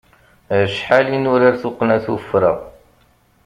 Acḥal i nurar tuqqna tuffra!